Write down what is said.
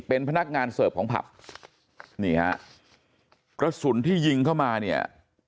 เป็นพนักงานเสิร์ฟของผับนี่ฮะกระสุนที่ยิงเข้ามาเนี่ย